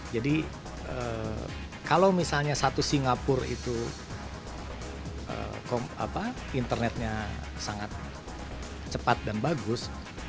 jadi kalau misalnya satu singapura itu internetnya sangat cepat dan bagus